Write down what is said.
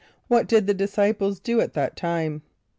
= What did the disciples do at that time?